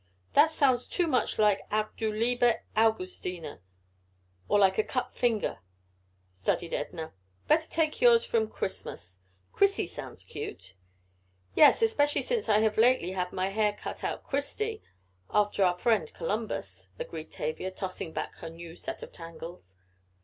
That sounds too much like Auch du lieber Augustine, or like a cut finger," studied Edna. "Better take yours from Christmas Chrissy sounds cute." "Yes, especially since I have lately had my hair cut Christy after our friend Columbus," agreed Tavia, tossing back her new set of tangles.